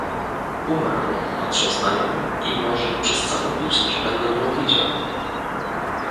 "Umrę, patrząc na nią i może przez całą wieczność będę ją widział."